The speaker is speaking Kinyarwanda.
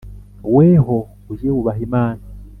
weho ujye wubaha Imana